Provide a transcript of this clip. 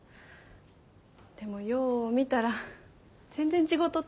でもよう見たら全然違うとった。